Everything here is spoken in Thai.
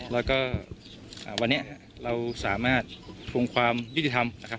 แล้วก็วันนี้เราสามารถทวงความยุติธรรมนะครับ